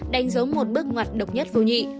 đánh dấu một bước ngoặt độc nhất vô nhị